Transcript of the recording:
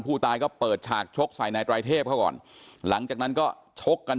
ผู้ตายก็เปิดฉากชกใส่นายไตรเทพเขาก่อนหลังจากนั้นก็ชกกัน